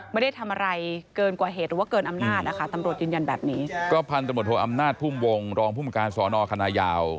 ไม่ได้ทำอะไรเกินกว่าเหตุหรือเกินอำนาจนะครับ